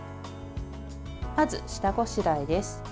まず、下ごしらえです。